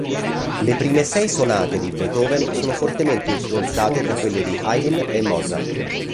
Le prime sonate di Beethoven sono fortemente influenzate da quelle di Haydn e Mozart.